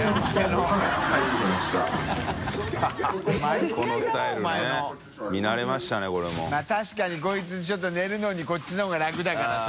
里こいつちょっと寝るのにこっちの方が楽だからさ。